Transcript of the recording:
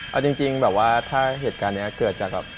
เอาจริงแบบว่าถ้าเหตุการณ์นี้เกิดจากแบบ